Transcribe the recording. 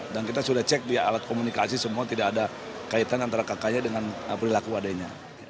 dan kita sudah cek di alat komunikasi semua tidak ada kaitan antara kakaknya dengan berlaku adeknya